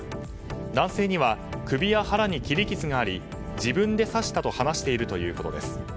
男性には首や腹に切り傷があり自分で刺したと話しているということです。